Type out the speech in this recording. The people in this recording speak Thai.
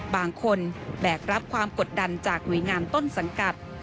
บางคนแบกรับความกดดันจากหน่วยงานต้นสังกัด